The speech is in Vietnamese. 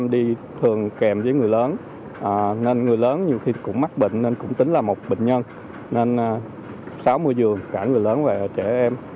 sáu mươi dường cả người lớn và trẻ em